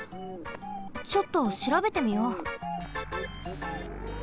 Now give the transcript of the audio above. ちょっとしらべてみよう。